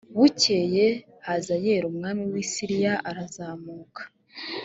bukeye hazayeli umwami w i siriya arazamuka